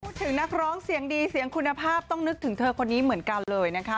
นักร้องเสียงดีเสียงคุณภาพต้องนึกถึงเธอคนนี้เหมือนกันเลยนะคะ